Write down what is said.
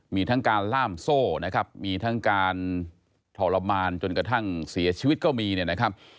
มีทั้งการล่ามโซ่นะครับมีทั้งการทรมานจนกระทั่งเสียชีวิตก็มีเนี่ยนะครับ